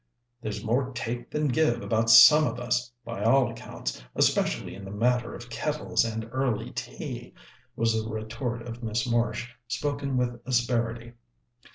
"There's more take than give about some of us, by all accounts, especially in the matter of kettles and early tea," was the retort of Miss Marsh, spoken with asperity.